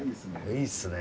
いいっすね。